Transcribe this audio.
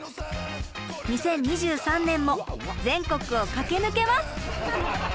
２０２３年も全国を駆け抜けます！